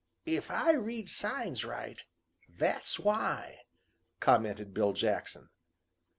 "If I read signs right, that's why!" commented Bill Jackson.